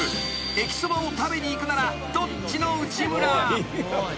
［「駅そばを食べに行くならどっちの内村！！」］